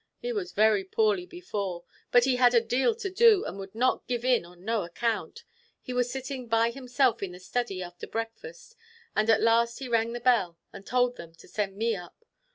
He was very poorly before; but he had a deal to do, and would not give in on no account. He was sitting by himself in the study after breakfast, and at last he rang the bell, and told them to send me up.